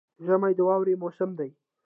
ژمی د واورې موسم دی